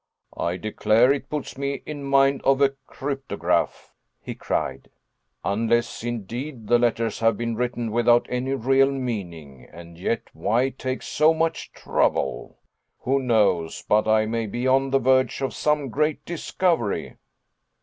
"I declare it puts me in mind of a cryptograph," he cried, "unless, indeed, the letters have been written without any real meaning; and yet why take so much trouble? Who knows but I may be on the verge of some great discovery?"